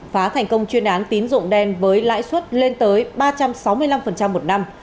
phá thành công chuyên án tín dụng đen với lãi suất lên tới ba trăm sáu mươi năm một năm